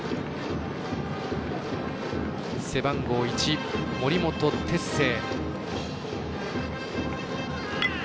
背番号１、森本哲星。